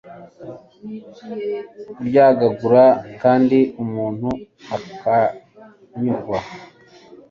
kuryagagura kandi umuntu akanyurwa